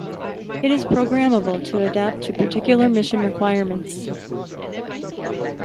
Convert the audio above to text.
It is programmable to adapt to particular mission requirements.